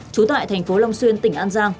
chú tại tp long xuyên tỉnh an giang